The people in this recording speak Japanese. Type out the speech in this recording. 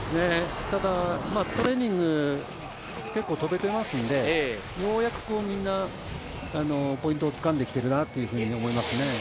ただ、トレーニング結構飛べてますので、ようやくみんなポイントをつかんできているなと思いますね。